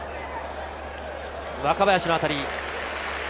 若林の当たり。